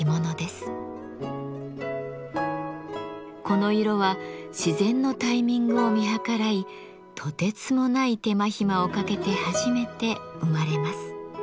この色は自然のタイミングを見計らいとてつもない手間ひまをかけて初めて生まれます。